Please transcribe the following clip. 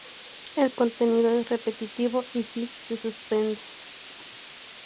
El contenido es repetitivo y sin suspense.